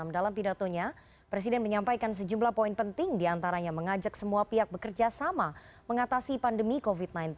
dalam pidatonya presiden menyampaikan sejumlah poin penting diantaranya mengajak semua pihak bekerja sama mengatasi pandemi covid sembilan belas